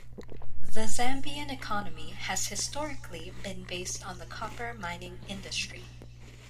The Zambian economy has historically been based on the copper-mining industry.